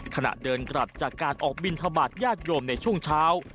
ขณะเดินกลับจากการออกบินทบาทญาติโยมในช่วงเช้า